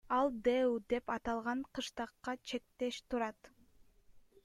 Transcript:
Ал ДЭУ деп аталган кыштакка чектеш турат.